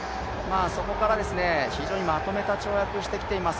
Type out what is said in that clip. そこから非常にまとめた跳躍してきています。